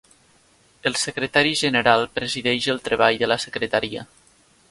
El secretari general presideix el treball de la Secretaria.